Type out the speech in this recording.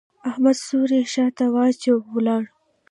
احمد څوری شا ته واچاوو؛ ولاړ.